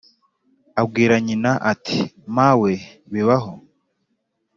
Abwira nyina ati"mawe bibaho